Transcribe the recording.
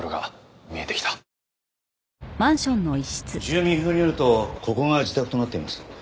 住民票によるとここが自宅となっています。